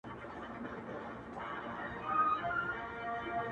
• او ستا د ښكلي شاعرۍ په خاطر.